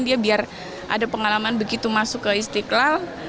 dia biar ada pengalaman begitu masuk ke istiqlal